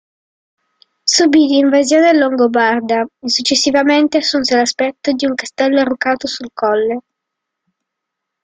Subì l'invasione longobarda e successivamente assunse l'aspetto di un castello arroccato sul colle.